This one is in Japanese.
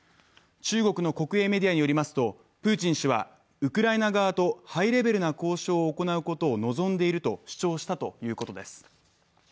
中国の国営メディアによりますとプーチン氏はウクライナ側とハイレベルな交渉を行うことを望んでいると主張したということです。